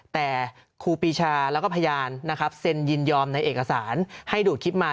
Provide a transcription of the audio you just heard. แต่ครูปีชาแล้วก็พยานนะครับเซ็นยินยอมในเอกสารให้ดูดคลิปมา